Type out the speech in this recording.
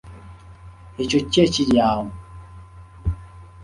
Ekyo ki ekiri awo?